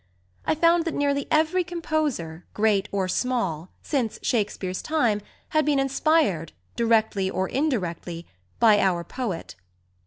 I found that nearly every composer, great or small, since Shakespeare's time had been inspired, directly or indirectly, by our poet.